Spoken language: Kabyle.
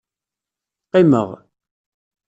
Qqimeɣ.